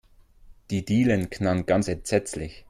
Die Dielen knarren ganz entsetzlich.